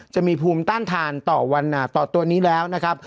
จะมีภูมิต้านทานต่อวันต่อตัวนี้แล้วนะครับ